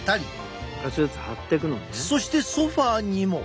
そしてソファーにも。